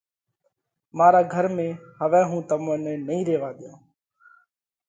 مارا گھر ۾ هُون هوَئہ تمون نئہ نئين ريوا ۮيو۔